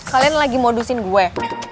kalian lagi modusin gue